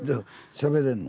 しゃべれんの？